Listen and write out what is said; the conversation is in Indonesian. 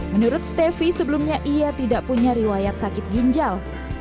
menurut stefi sebelumnya ia tidak punya riwayat sakit ginjal